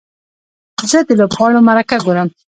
زه د لوبغاړو مرکه ګورم.